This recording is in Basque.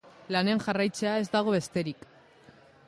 Lanean jarraitzea, ez dago besterik.